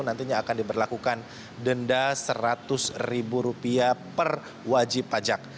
nantinya akan diberlakukan denda rp seratus per wajib pajak